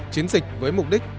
chiến dịch với mục đích